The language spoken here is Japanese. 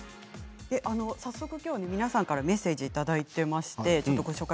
皆さんから早速メッセージをいただいています。